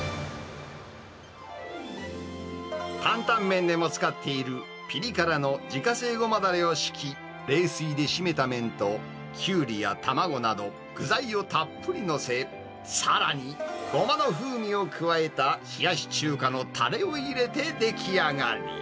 担々麺でも使っているぴり辛の自家製ごまだれをしき、冷水で締めた麺と、キュウリや卵など、具材をたっぷり載せ、さらに、ゴマの風味を加えた冷やし中華のたれを入れて出来上がり。